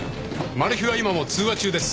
マルヒは今も通話中です。